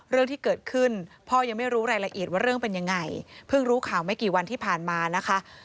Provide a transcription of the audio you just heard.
เรื่องที่เกิดขึ้นพ่อยังไม่รู้รายละเอียดว่าเรื่องเป็นยังไงเพิ่งรู้ข่าวไม่กี่วันที่ผ่านมานะคะ